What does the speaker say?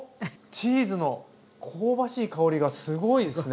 チーズの香ばしい香りがすごいですね。